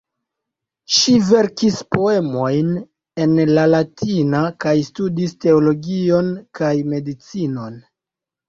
Ŝi verkis poemojn en la latina kaj studis teologion kaj medicinon.